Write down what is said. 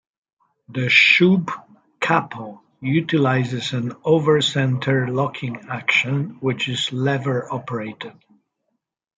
The Shubb Capo utilises an "over-centre" locking action, which is lever operated.